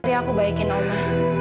jadi aku baikin oma